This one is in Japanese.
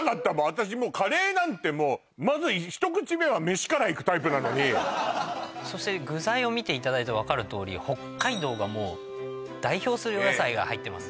私もうカレーなんてもうまずひと口目はメシからいくタイプなのにそして具材を見ていただいて分かるとおり北海道がもう代表するお野菜が入ってます